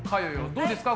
どうですか？